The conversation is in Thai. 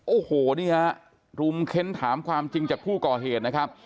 โอ้โหนี่ฮะรุมเค้นถามความจริงจากผู้ก่อเหตุนะครับ